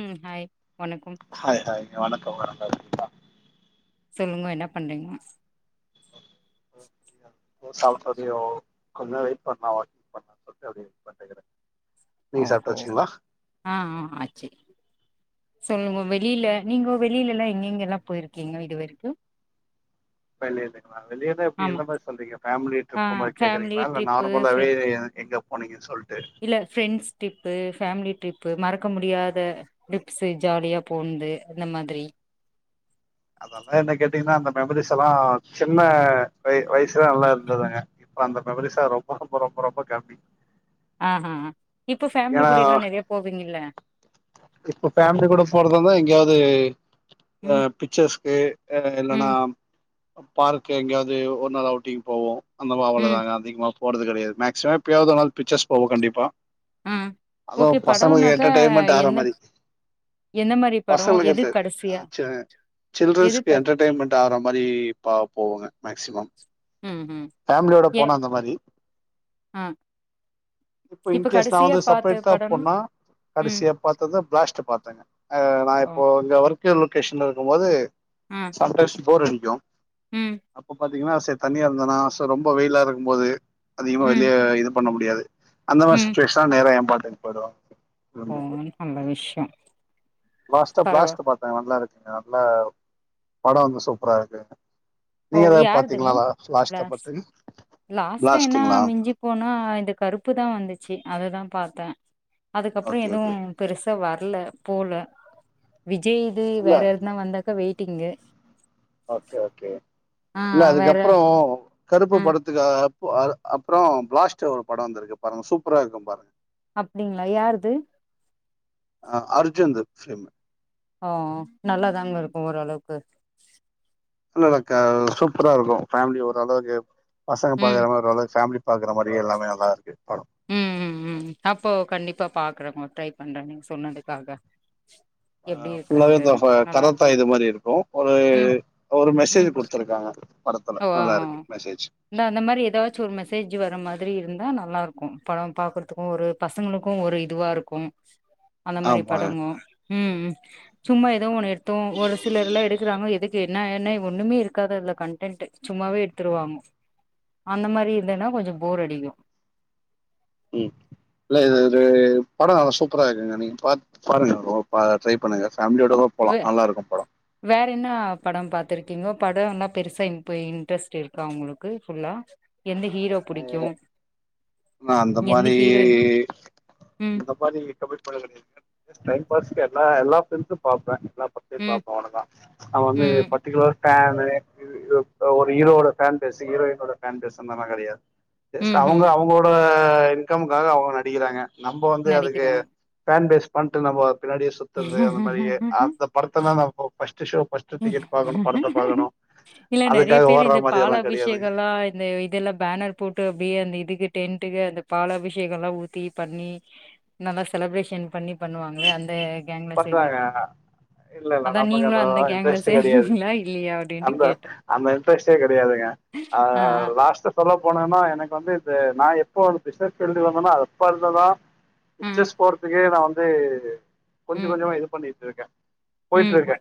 உம் ஆய் hi hi வணக்கம் வணக்கம் சொல்லுங்க என்ன பண்றீங்க [unintelligible] கொஞ் நேரே வெயிட் பண்ண வாச்சு பண்ணல சொல்லிட்டு உக்கான்டுருக்க ஓ ஓ ஆ ஆ ஆச்சி சொல்லுங்க வெளில நீங்கோ வெளிலல்லா எங்கெங்கெல்லா போயிருக்கீங்க இதுவரைக்கு வெளிலேவா வெளியனா எப்டி எந்த மாரி சொல்றீங்க பேமிலி ஆ ட்ரிப்பு மாரி ஃபேமிலி கேக்குறீங்களா இல்ல ட்ரிப்பு ஃப்ரெ நார்மலாவே எங்க போனிங்கனு சொல் இல்ல ஃப்ரெண்ட்ஸ் டிப்பு ஃபேமிலி ட்ரிப் பு மறக்க முடியாத டிப்ஸ்சு ஜாலியா போண்து இந்த மாதிரி அதல்லா என்ன கேட்டீங்கன்னா அந்த மெமரிஸல்லா சின்ன பெ வயசுலா நல்லா இருந்ததுங்க இப்ப அந்த மெமரிஸ்சா ரொம்ப ரொம்ப ரொம்ப ரொம்ப கம்மி ஆஹ இப்ப ஃபேமிலி கூடேல்லா நெறைய போவீங்கில்ல இப்போ ஃபேமிலி கூட போறதாயிருந்தா எங்கயாவது ஆ ம் பிச்சர்ஸ்கு ஏ இல்லேனா ம் பார்கே எங்கேயாவது ஒரு நாள் அவுட்டிங் போவோ அந்த மாவுள ம் தாங்க அதிகமா போறது கெடையாது மேக்சிமம் எப்பயாவது ஒரு நாள் பிச்சர்ஸ் போவோ கண்டிப்பா ஆ ஓகே அதுவு பசங்களுக்கு படோனாக்கா என்டர்டைமண்ட் ஆற என்ன மாரி எந்த மாரி படோ பசங்களுக்கு எது தே கடைசியா ஆ சே எது சில்டரன்ஸ்க்கு பாத் என்டர்டைமண்ட் ஆற மாரி பா போவோங்க மேக்ஸிமம் ம் ம் ஃபேமிலியோட ஏ போனா அந்த மாரி ஆ இப்ப இ்ன்கேஸ் நா கடைசியா வந்து பாத்த செப்ரேட்டா படம்னா போனா ம் கடசியா பாத் இப்பதா ப்ளாஸ்ட் பாத்தங்க நா ஓ இப்போ இங்க ஒர்க் [unintelligible] லொகேஷன்ல இருக்கும்போது ஆ சம்டைம்ஸ் போர் அடி ம் த்தீங்கனா செர் தனியா இருந்தனா சோ ரொம்ப வெயிலாருக்கும் போது அதிகமா ம் வெளிய இது பண்ண முடியாது அந்த மாரி ம் சுட்வேஷ்ல நேர ஏம்பா தென்படு ம் ஓ நல்ல விஷ்யம் லாஸ்டா ப்ளாஸ்ட்டு பாத்தே நல்லா இரு நல்ல படம் வந்து சூப்ரா இருக்கு ஓ நீங்க ஏதாவது பாத்தீங்களா யாருதுங்கோ லாஸ்டா பாத்து ப்ளாஸ்ட் லாஸ்ட்டா என்ன பிளாஸ்டுங்களா மிஞ்சி போனா இந்த கருப்பு தான் வந்துச்சி அதுதா பாத்தேன் அதுக்கப்றொ ஓகே ஓகே எதுவும் பெருசா வர்ல போல வி விஜய் து இல்ல வேறயதுனா வந்தாக்கா வெயிட் டிங்கு ஓகே ஓகே இல்ல வேற அதுக்கப்றோ கருப்பு ஆ படத்துகா அப் அப்றோம் ப்ளாஸ்ட் ஒரு படம் வந்துருக்கு பாருங்க சூப்பரா இருக்கும் பாரு அப்டிங்ளா யாருது அஹ் அர்ஜுன்து ஃப்லிம் ஹோ நல்லாதாங்க இருக்கும் ஓரளவுக்கு நல்லார்க்கு சூப்பரா இருக்கும் ஃபேம்லி [unintelligible] பசங்க ம் பாகற மாரி ஃபேமிலி பாக்குற மாரி எல்லாமே நல்லார்க்கு படம் ம் ம் ம் அப்போ கண்டிப்பா பாக்குறங்க ட்ரை பண்றேன் நீங் சொன்னதுக்காக ஹ எப்டி ஃபுல்லாவே இந்த இருக்குன்ட்டுன்னு நல்லா கராத்தா இருக்கு இது மாரி இருக்கும் ஒரு ம் ஒரு மெசேஜ் ம் குடுத்துருக்காங்க படத்துல ஓ நல்லா இருக்கு மெசேஜ் இந்த அந்த மாதிரி ஏதாச்சும் ஒரு மெசேஜ் வர மாதிரி இருந்தா நல்லா இருக் கும் படம் பார்க்கறதுக்கும் ஒரு பசங்களுக்கும் ஒரு இதுவா இருக்கும் அந்த மாரி ஆமாங்க படமும் உம் சும்மா ஏதோ ஒன்னு எடுத்தோம் ஒரு சிலர் எல்லாம் எடுக்குறாங்க எது க்கு என்ன என்ன ஒண்ணுமே இருக்காது அதுல கண்ட ன்ட் சும்மாவே எடுத்துருவாங்க அந்த மாதிரி இல்லைன்னா கொஞ்சம் போர் அடிக்கும் உம் இல்ல ஏதேது படம் நல்லா சூப்பராக இருக்குங்க நீ பா பாருங்க பா ட்ரை பண்ணுங்க ஃபேமிலியோடவே போலா வே நல்லா இருக்கு படோ வேற என்ன படம் பார்த்திருக் கீங்கோ படம் எல்லாம் பெருசா இ இன்ட்ரெஸ்ட் இருக்கா உங்களுக்கு ஃபுல்லா எந்த ஹீரோ புடிக்கும் நான் அந்த மாதி ம் அந்த மாதி கமிட்மென்ட் எனக்கு டைம் பாஸ் நான் எல்லா பிளிம்ஸும் பார்ப்பேன் எல்லா படத்தையும் ம் பார்ப்பேன் வணக்கம் நான் வந்து ம் பர்டிகுலர் ஃபேனு ஒரு ஹீரோட ஃபேன் பேசி ஹீரோயினோட ஃபேன் பேசுந்னது எல்லாம் கிடையாது ஜஸ்ட் ம்ஹ்ம் அவங்க அவங்களோட ஆஹ் இன்கமுக்காக அவங்க நடிக்கிறாங்க நம்ம வந்து அதுக்கு நடிக்கிறாங்க. ஃபேன் பேஸ் பன்ட்டு நபத் பின்னாடியே சுத்துறது அந்த மாதிரியே அந்த படத்த எல்லாம் பார் ஃபஸ்ட் ஷோ ஃபர்ஸ்ட்டு டிக்கெட் பாக்கணு இல்ல நறைய அதுக்காக பேர் ஓட்ற இந்த மாரி பால் எல்லா அபிஷேகே கெடையாதுங்க எல்லா இந்த இதெல்லா பேனர் போட்டு அப்படியே அந்த இதுக்கு டெனட்க அந்த பால அபிஷேக எல்லா ஊத்தி பண்ணி நல்லா செலப்ரேஷன் பண்ணி பண்ணுவாங்களே அந்த கேங்கல பண்றாங்க சேர்ந்திருக்கீங்க அதா நீங்களு அந்த கேங்ல இன்ட்ரெஸ்ட் கிடையாது சேந்தீங்களா இல்லையா அப்டின்ட்டு அந்த கேட்டே. அந்த இன்ட்ரெஸ்டே கிடையாதுங்க ஆ சொல்ல போனேன்னா எனக்கு வந்து இந்த நா எப்ப வந்து பிசுனெஸ் ஃபீல்டு வந்தேன்னா அப்போ இருந்து தா ஆ ம் பிசினெஸ்க்கு போறதுக்கே நா அது கொஞ்சோ ம் கொஞ்சோ இது பண்ணிரு இருக்க போயிட்டு ம் இருக்க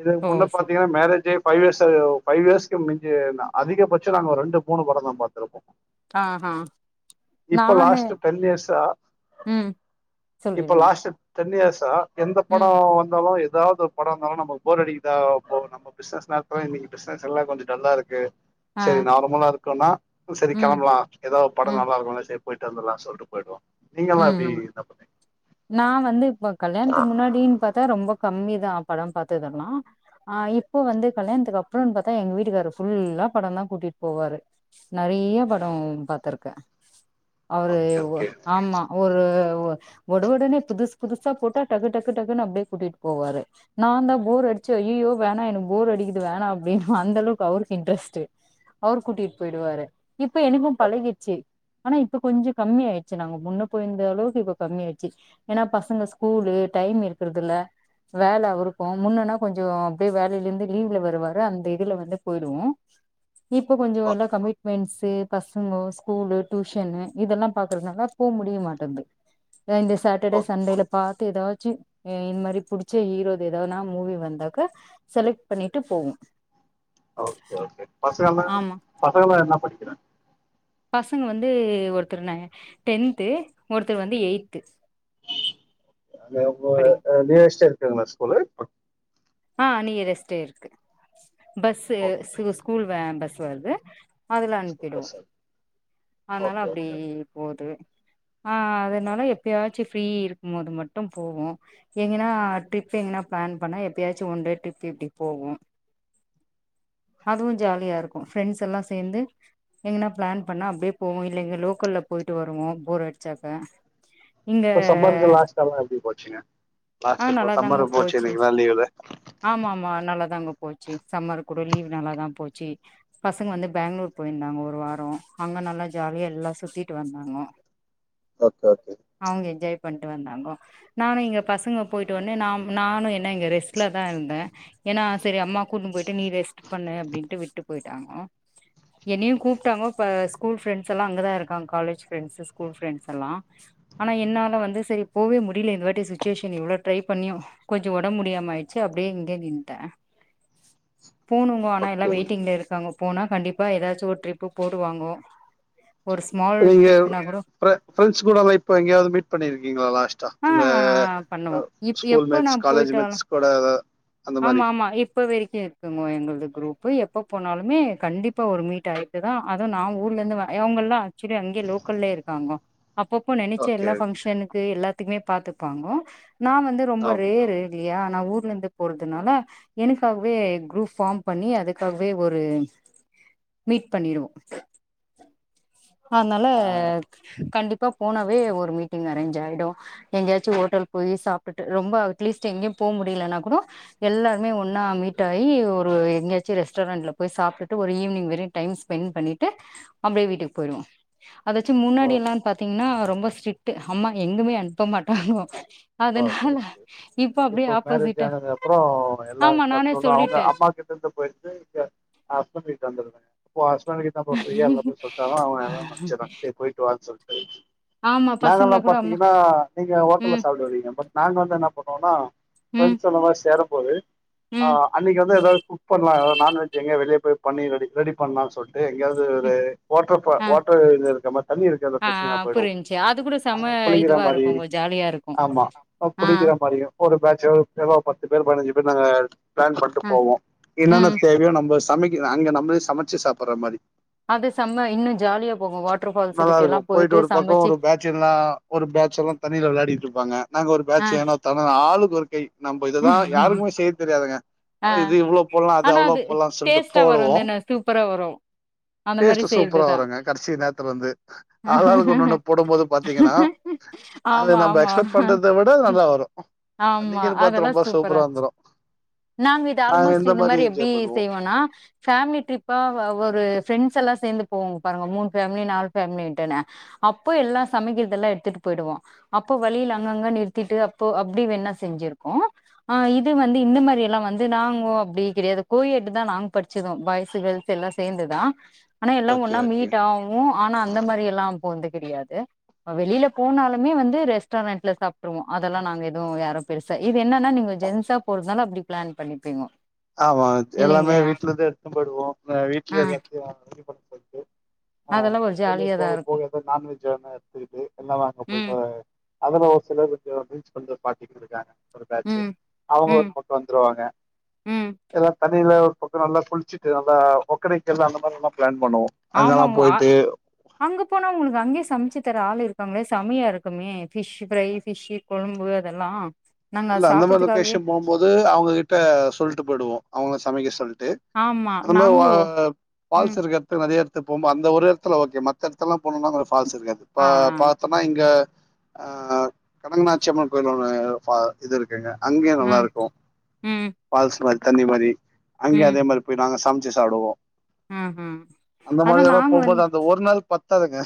இதுக்கு ஓ முன்ன சூப் பார்த்தீங்கன்னா மேரேஜே ஃபைவ் இயர்ஸ் ஃபவ் இயர்ஸ்கு அதிகபட்ச நாங்க ரெண்டு மூணு படம் தா பார்த்திருப்போ ஆஹ் ஆஹ் இப்ப லாஸ்ட் டன் இயர்ஸ்ஸா ம் இப்ப சொல்லிடுங்க லாஸ்ட் டென் யியர்ஸா எந்த படோ ம் வந்தாலு ஏதாவது படம் இருந்தாலு நம்ம போர் அடிக்குதா போ நம்ம பிசினஸ் நேரத்தல இன்னைக்கு பிசினஸ் எல்லா கொஞ்சோ டல்லா இருக்கு ஆ சரி நார்மலா இருக்கும்ன்னா சரி ம் கிளம்பலா ஏதாவ படோ நல்லா இருக் போயிட்டு வந்தலா சொல்லட்டு போயிடுவோ நீங்கல்லா எப்டி உஹம் என்ன பண்ணுவீங்க நா வந்து இப்ப கல்யாணத்துக்கு முன்னாடின்னு பார்த்தா ரொம்ப கம்மிதா படம் பார்த்ததலா ஆஹ் இப்போ வந்து கல்யாணத்துக்கு அப்புறம்னு பார்த்தா எங்க வீட்டுக்காரர் ஃபுல்லா படோ தா கூட்டிட்டு போவாரு நறைய படோ பாார்த்திருக்க ஓகே அவரு ஓகே ஒரு உட உடனே புதுசு புதுசா போட்டா டக்கு டக்கு டக்குன்னு அப்படியே கூட்டிட்டு போவாரு நான்ந்தா போர் அடிச்சு ஐய்யயோ வேணா எனக்கு போர் அடிக்கது வேணா அப்படின்னு அந்த அளவுக்கு அவருக்கு இன்ட்ரெஸ்ட் அவர் கூட்டிட்டு போயிடுவாரு இப்ப எனக்கு பழகிடுச்சு ஆனா இப்ப கொஞ்சோ கம்மி ஆய்டுச்சி ச நாங்க முன்ன போயிருந்த அளவுக்கு இப்ப கம்மிய ஆடுச்சு ஏனா பசங்க ஸ்கூலு டைம் இருக்கறதுல வேல அவருக்கு முன்னன்னா கொஞ்சோ அப்படியே வேலையில இருந்து லீவ்ல வருவாரு அந்த இதுல வந்து போயிடுவோ இப்போ கொஞ்சோ எல்லா ஓகே கமிட்மெண்ட்ஸீ பசங்க ஸ்கூல்லு டியூஷன் இதெல்லா பாக் தனால போ முடிய மாட்டேது ஏ இந்த சேட்டர்டே ஓகே சண்டேல பார் ஏதாச்சு இந்த மாரி புடிச்ச ஹீரோ ஏதாவனா மூவி வந்தாக்க செலக்ட் பண்ணிட்டு போவோ ஓகே ஓகே பசங்கலா ஆமா பசங்கலா என்ன படி அ பசங்க வந்து ஒருத்தர் ந டென்து ஒருத்தர் வந்து எயி்த்து அ [unintelligible] நியரம்மா ஸ்கூல்லு ஆஹ் நியரஸ்ட்டே இருக்கு bus okay school way bus [unintelligible] து அதுல அனுப்பிடுவோ சூப்பர் சார் அதனால ஓகே அப்படி ஓகே போது ஆஹ் ஆஹ் அதனால எப்பயாச்சும் ஃப்ரீ இருக்கும் போது மட்டும் போவோம் எங்கனா ட்ரிப் எங்கனா பிளான் பண்ண எப்பாச்சும் ஒன்டே டிரிப் இப்படி போவோம் அதுவு ஜாலியா இருக்கு ஃப்ரெண்ட்ஸெஎல்லா சேர்ந்து எங்கன்னா பிளான் பண்ண அப்படியே போவோ இல்ல இங்க லோக்கல்ல போயிட்டு வருவோ போர் அடிச்சாக்க இங்க இப்ப சம்மருக்கு லாஸ்ட் எல்லாம் எப்படி போச்சுங்க ஆ லாஸ்ட் இப்ப நல்லாதாங்க சம்மரு போச்சு இல்லைங்கலா லீவு ஆமா ஆமா நல்லாதாங்க போச்சு சம்மரு கூட லீவ் நல்லாதான் போச்சு பசங்க வந்து பெங்களூர் போயிருந்தாங்க ஒரு வாரோ அங்க நல்லா ஜாலியா எல்லா சுத்திட்டு வந்தாங்க ஓகே ஓகே பண்ட்டு வந்தாங்கோ நானு எங்க பசங்க போயிடோன்னே நானு என்ன எங்க ரெஸ்ட் ல தா இருந்தே ஏன்னா சரி அம்மா கூட்டுன்னு போயிட்டு நீ ரெஸ்ட் பண்ணு அப்டின்ட்டு விட்டு போயிட்டு ட்டாங்கோ என்னயு கூப்ட்டாங்கோ ஸ்கூல் ஃபிரண்ஸெல்லா அங்கதா இருக்காங்க காலேஜ் பிரண்ஸ் ஸ்கூல் பிரண்ஸெல்லா ஆனா என்னால வந்து செரி போவே முடியல இந்த வாட்டி சுச்சுவேஷன் இவ்ளோ ட்ரை பண்ணியு கொஞ்சோ உடம்பு முடியாம அயிட் ச்ச அப்படியே இங்கே நின்ட போனுங்கோ ஆனா எல்லா ஓகே வெயிட்டிங்ல இருக்காங்கோ போனா கண்டிப்பா ஏதாச்சு ஒரு ட்ரிப்பு போட்டுவங்கோ நீங்க ஃப்ரண் ஃப்ரிண்ட்ஸ் கூடாலா இப்ப எங்கயாவது மீட் பண்ணிருக்கீங்களா லாஸ்ட் ஆ உங்க பண்ணுவோ இப் ஸ்கூல் எப்ப நா மேட்ஸ் காலேஜ் போயிட்டாலு மேட்ஸ் கூட அந்த ஆமா மாரி ஆமா இப்ப [unintelligible] எங்களது குரூப்பு எப்போ போனாலுமே கண்டிப்பா ஒரு மீட்டாயிட்டு தா அது நா ஊர்லெருந்து வரே எவங்கலா சேரி அங்கே லோக்கல்லே இருக்காங்கோ அப்பபோ நெனைச்சே ஓகே எல்லா ஃபங்க்ஷனுக்கு எல்லா த் எதுமே பாத்துப்பாங்கோ நா வந்து ரொம்ப ஆம் ரேரு இல்லையா நா ஊர்லருந்து போறதுனால எனக்காகவே குரூப் பார்ம் பண்ணி அதுக்காகவே ஒரு மீட் பண்ணிருவோ அதனால ஆ கண்டு இப்போ போனாவே ஒரு மீட்டிங் அரேஞ்ச் ஆயிடு எங்கயாச்சு ஹோட்டல் போய் சாப்ட்டுட்டு ரொம்ப அட்லீஸ்ட் எங்கேயு போ முடியலனா கூடோ எல்லாருமே ஒன்னா மீட்டாகி ஒரு எங்கயாச்சு ரெஸ்டாரெண்ட்ல போய் சாப்ட்டுட்டு ஒரு ஈவினிங் வரையு டைம் ஸ்பெண்ட் பண்ணிட்டு அப்புடியே வீட்டுக்கு போயிடுவோ அதச்சு ஓ முன்னாடி என்னான் பாத்தீங்ன்னா ரொம்ப ஸ்ட்ரிக்ட் அம்மா எங்குமே அனுப்ப மாட்டாங்கோ ஓகே அதனால ஓகே இப்ப அப்டியே இப்போ மேரேஜ் ஆப்போசிட்ட ஆனது அப்பறம் எல்லா ஆமா நானே கட்டும் அவங்க சொல்லிட்டே அம்மா கிட்ட இருந்து போயிட்டு இங்க ஹஸ்பண்ட் கிட்ட வந்துருந்தங்க [unintelligible] கிட்ட போ ஃப்ரியா எல்ல போய் சொட்டாலும் அவ எத நெனச்சு போயிட்டு வா சொல்லிட்டு ஆமா பசங்கள நாங்கல்லாம் கூட அம்மா பாத்தீங்கன்னா நீங்க ஹோட்டல ம் ங்க பட் நாங்க வந்து என்ன ம் பண்ணுவோம்னா சேரும் போது ம் ஆஹ் அனைக்கு வந்து எதாவது குக் பண்ணலாம் ஏதாவது நான்வெஜ் எங்க வெளிய போய் பண்ணி ரெடி பண்லாம் சொல்லிட் டு எங்காவது ஒரு ம் வாட்ட ஆ வாட்டர் இருக்க மாதிரி தண்ணிர் இருக்க ஆ லொகேஷன் போய்டோம் புரிஞ்ச்சு அது கூட செம்ம அங்க குளிக்கிற இதுவா மாரி இருக்குங்க ஜாலியா இருக்கு ஆமா ஆ புடிக்கிற மாரியும் ஒரு வா எதாவது பத்து பேர் பதினஞ்சு பேர் நாங்க பிளான் பண்ணட்டு ஆ போவோம் என்னென்ன ம் தேவையோ நம்ம சமைக் அங்க நம்மள சமைச்சு சாப்பிடுற மாரி அது செம்ம இன்னு ஜாலியா போகு வாட்டர் ஃபால்ஸு நல்லா கிட்ட எல்லா இருக்கும் போயிட்டு ஒரு பக்கம் சமைச்சு ஒரு பேட்ச்சர்ல்லாம் ஒரு பேட்ச்சர்ல்லாம் தண்ணியில விளையாடிட்டு இரும் நாங்க ஒரு ஆ பேட்ச் ஏன தானோ ஆளுக்கு ஓரு கை நம்ம இததா யாருக்கும் செய்ய தெரியாதுங்க ஆ ஆனா இது இவ்வளவு போடலாம் அது ஆனா அவ்ளவு போடலாம்னு சொல்லிட்டு டேஸ்ட்டா போடுவோம் வருந்தான சூப்பரா வரு அந்த மாரி டேஸ்ட் சூப்பரா செய்றதுதா வரும்ங்க கடைசி நேரத்துல வந்து அல்லளுக்கு ஒன்ன ஒண்ணு போடும்போது பாத்தீங்கன்னா அதது ஆமா நம்ம ஆமா எக்ஸ்பெட் பண்றத விட நல்லா வரும் ஆமா அன்னைக்குன்னு பாத்து அதெல்லாம் ரொம்ப சூப்பரா வந்துரும் நாங்க இது ஆல்மோஸ்ட் இந்த மாரி மாதிரி எப்படி என்ஜாய் பண்ணுவோம் செய்வோம்னா பேமிலி டிரிப்பா ஒரு ப்ரெண்ட்ஸ் எல்லாம் சேர்ந்து போவோம் அப்ப மூணு பேமிலி நாலு பேமிலிட்னு அப்போ எல்லா சமைக்குறது எல்லாம் எடுதுட்டு போயிருவோம் அப்போ வெளியில அங்க இங்கனு நிறுத்திட்டு அப்போ அப்டி அப்படி வேணா செஞ்சிருக்கோம் ஆஹ் இது வந்து இந்த மாதிரி எல்லாம் வந்து நாங்க அப்படி கிடையாது கோய எடு தா நாங்க படிச்சதோம் பாய்ஸ்சு கேர்ள்ஸ் எல்லாம் சேர்ந்துதான் ஆனா எல்லாம் ஓகே ஒன்னா ஓகே மீட் ஆகும் ஆனா அந்த மாதிரி எல்லாம் போன்து கிடையாது வெளியில போனாலுமே வந்து ரெஸ்டாரண்ட்ல சாப்பிடுருவோம் அதெல்லாம் நாங்க எதும் க்கும் யாரோ பெருசா இது என்னன்னா நீங்க ஜென்ஸா போறதுனாலும் அப்படி பிளான் பண்ணிப்பீங்கோ ஆமா எல்லாமே இல்லைங்களையா வீட்டுலதா எடுத்து போய்டுவோம் ஆ வீடலயே எல்லாத்தையும் வாங்கி ஆஹ் அதெல்லா ஒரு வெளிய ஜாலியாதா போக இருக்கு போக எதாது நான்வெஜ் வேன எடுத்துக்கிட்டு என்ன வாங்க ம் போயிட்டு அதல்ல ஒரு சிலர் கொஞ்சம் டீச் பாட்டிக்கிறதுக்காங்க ஒரு பேட்ச்சு ம் அவங்க ஒரு ம் பக்கம் வந்துருவாங்க ம் எல்லாம் தண்ணில பக்கம் நல்லா குளிச்சுட்டு நல்லா ஓக்கணைகள் எல்லா அந்த மாதிரி எல்லாம் பிளான் பண்ணுவோம் அங்கெல்லாம் ஆமாங்க போயிட்டு அங்க போனா உங்களுக்கு அங்கயே சமச்சு ஒருத்தர் ஆள் இருக்பாங்ளே செமையா இருக்குமே ஃபிஷ் ஃப்ரை ஃபிஷ் கொழும்பு அதெல்லா நாங்க இல்ல அது அந்த மாரி சாப்புட்றதுக்காகவே லொகேஷன் போம்போது அவங்ககிட்ட சொல்ட்டு போய்டுவோ அவுங்க சமைக்க சொல்லி ட்டு ஆமா அந்த வா நாங்களு பால்ஸ் ம் இருக்கிறதுக்கு நெறய த்துபோமா அந்த ஒரு இடத்துல ஓகே மத்த இடத்துல போனோம்னா பால்ஸ் இருக்காது ஆ பா பாத்தம்னா இங்க அஹ் கனகநாட்சியம்மன் கோயில் ஒன்னு ஃபா இதற் ங்க அங்கயு ஆ நல்லா ம் இருக்கு ம் பால்ஸ் தண்ணி மாரி அங்கே ம் அதே மாரி போய் நாங்க சம் ச்சி சாப்டுவோ ம் ம் அந்த அதா மாதிரில்லா நாங்க போம்போது வந்து அந்த ஒரு நாள் பத்து பத்தாதுங்க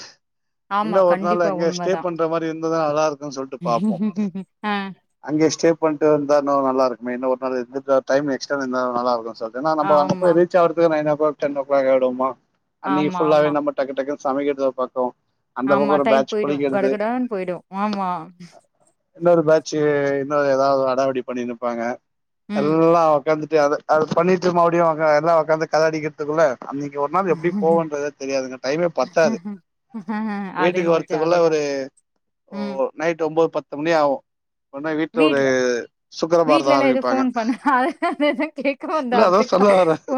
ஆமா இன்னு ஒரு நாள் அங்கே ஸ்டே பண்ற மாரி இந் தாதா நல்லா இருக்கு ஹ இங்க ஸ்டே பண்ட்டு வந்தா இன்னு நல்லா இருக்குமே இன்னு ஒரு நாளா இருந்துட்டு வர டைம் எக்ஸ்ட்ரா இருந்தா நல்லாருக்கு சோ அதென நம்ப அங்க ஆமா போய் ரீச் ஆவறுது nine o'clock ten o'clock ஆயிடுவமா அன்னைக்கு ஆமா ஃபுல்லாவே ஆமா நம்ம டக்கு டக்கு சமைக்கிறத பாத்தோ ஆமா டைம் போயிடு கடகடனு போயிடு ஆமா எந்தோரு பேட்ச் டே இன்னொ எதாது அடாவடி பண்ணினுப்பாங்க ம் எல்லா ஒக்காந்து ட்டு அத அத பண்ணிட்டு மறுபடியு ஒக்கா எல்லா ஒக்காந்து கத அடிகிறதுக்குல்ல அன்னக்கி ஒரு நாள் எப்டி போவுன்றதே தெரியாதுங்க டைமே பத்தாது அது வீட்டுக்கு என்னமோ வர்ரதுக்குள்ள ஜாலிதா ஒரு ம் ஒ நைட் ஒம்பொது பத் து மணி ஆவு உடனே வீட்ல ஒரு சுக்கரபாரதோ வீட்லலா எது ஆரம்பிப்பாங்க ஃபோன் பண்ண அது அதுதா கேக்க வந்த இல்ல அதா அடுத்த கா சொல்ல வர்ர ஓ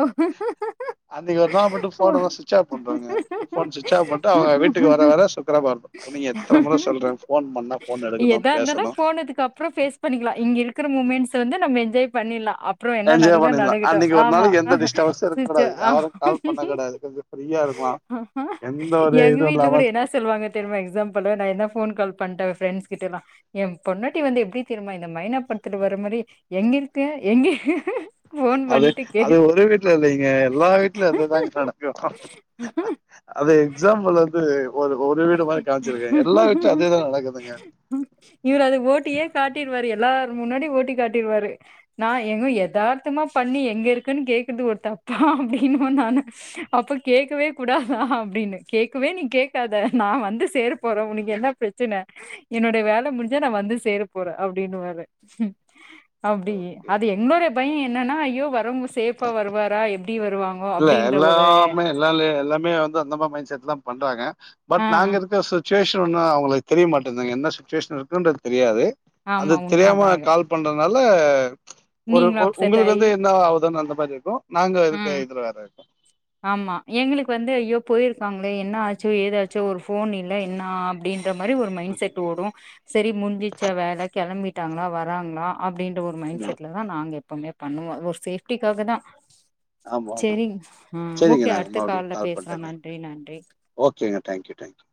அன்னக்கி ஒரு நாள் மட்டு ஓ ஃபோனெல்லா ஸ்விட்ச் ஆஃப் பண்றோங்க ஃபோன் ஸ்விட்ச ஆஃப் பண்ட்டு அவுங்க வீட்டுக்கு வர வர சுக்கரபாரதோ உன்ன எத்தன முற சொல்ற ஃபோன் பண்ணா ஃபோன எடுக்கணு பேசணு புறோ ஃபேஸ் பண்ணிக்கலா இங்க இருக்கிற முமெண்ட்ஸ் வந்து நம்ம என்ஜாய் பண்ணில்லா அப்புறோ என்ன என்ஜாய் நடக்குதோ பண்ணிடலாம் நடகட்டு அன்னைக்கு ஒரு ஆமா நாளைக்கு எந்த டிஸ்டர்பன்ஸும் ஸ்விட்சு இருக்கக்கூடாது ஆ யாரும் கால் பண்ணக்கூடாது கொஞ்சம் ஃப்ரீயா இருக்கலாம் எந்த ஒரு எங்க இதுவும் வீட்ல இல்லாம கூட என்ன சொல்வாங்க தெர்மா எக்ஸாம்பல்லா நா என்ன ஃபோன்கால் பண்ட ஃப்ரெண்ட்ஸ் கிட்டல்லா ஏ பொண்டா டி வந்து எப்டி தெரிமா இந்த மைனா பட்த்துல வர மாரி எங்கருக்க எங்க ஃபோன் அது பண்ணிட்டு கே அது ஒரு வீட்ல இல்லைங்க எல்லா வீட்ல அதுதாங்க நடக்கு அது எக்ஸாம்புள் வந்து ஒரு ஒரு வீடு மாரி காம்ச்சிருக்கே எல்லா வீட்ல அதேதா நடக்குதுங்க இவரு அது ஓட்டியே காட்டிருவாரு எல்லார் முன்னாடி ஓட்டி காட்டிருவாரு நா எங்க எதார்த்தமா பண்ணி எங்க இருக்கன் கேக்குறது ஒரு தப்பா அப்டின்னு நானு அப்ப கேக்கவே கூடாதா அப்டின்னு கேக்கவே நீ கேக்காத நா வந்து சேர போறே உனக்கு என்ன ப்ரச்சன என்னோடை வேல முடுஞ்சா நா வந்து சேர போற அப்டின்னுவாரு அப்டி ஓகே அது எங்ளோட பய என்னனா ஐயோ வர ரொம்ப சேஃபா வருவாரா எப் இல்ல எல்லாமே எல்லாலெ எல்லாமே வந்து அந்த மா மைண்ட் செட்டுதா பண்றாங்க பட் ஆ நாங்க இருக்க சுச்சுவேஷன் ஒன்னு அவுங்களுகு தெரிய மாட் டுந்தாங்க என்ன சிச்சுவேஷன் இருக்குன்றது தெரியாது அது ஆமா தெரியாம உண்மதான் அது கால் பண்ற நல்ல ஒரு நீங்களும் ஒ அப்செட் உங்களுக்கு ஆயி வந்து என்ன ஆவுதன் அந்த [unintelligible] நாங்க இருக்க ம் இ ஆமா எங்களுக் வந்து யோ போயிருக்காங்ளே என்ன ஆச்சோ ஏதாச்சோ ஒரு ஃபோன் இல்ல என்னா அப்டின் இந்த மாரி ஒரு மைண்ட் ஓகே செட் ஓடும் சரி முஞ்சிச்சா வேலை கிளம்பிட் ட்டாங்களா வராங்களா அ ப்படின்ற ஒரு மைண்ட் ம் செட்ல தான் நாங்கப் எப்பவுமே பண்ணுவா ஒரு சேஃப்டிக்காக தான் ஆமா ஆமா சரி ஆ சரிங்க ஓகே நாங்க அடுத்த மறுபடி கால்ல கால் பேசலாம் பண்றேங்க நன்றி நன்றி ஓகேங்க தேங்க்யூ தேங்க்யூ